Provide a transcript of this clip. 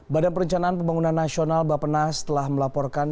badan perencanaan pembangunan nasional bapenas telah melaporkan